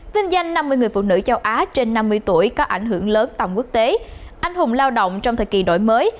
vinh danh năm mươi người phụ nữ châu á trên năm mươi tuổi có ảnh hưởng lớn tầm quốc tế anh hùng lao động trong thời kỳ đổi mới